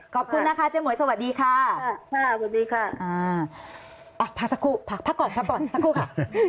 ขอบคุณนะคะเจ๊หมวยสวัสดีค่ะสวัสดีค่ะอ่าอ่ะพักสักครู่พักพักก่อนพักก่อนสักครู่ค่ะ